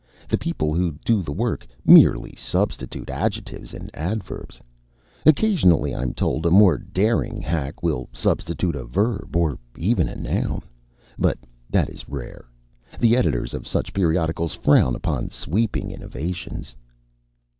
The people who do the work merely substitute adjectives and adverbs. Occasionally, I'm told, a more daring hack will substitute a verb, or even a noun. But that is rare. The editors of such periodicals frown upon sweeping innovations."